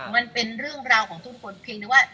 มันเป็นเรื่องราวของทุกคนเพียงแต่ว่า